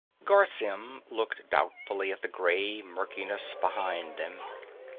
Garr Symm looked doubtfully at the gray murkiness behind them.